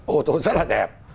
ô tô rất là đẹp